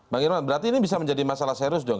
bang irwan berarti ini bisa menjadi masalah serius dong